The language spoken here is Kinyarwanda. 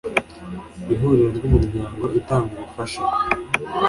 Ihuriro ry Imiryango itanga Ubufasha